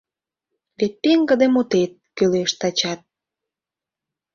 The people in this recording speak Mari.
Вет пеҥгыде мутет Кӱлеш тачат.